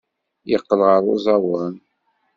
Yeqqel ɣer uẓawan.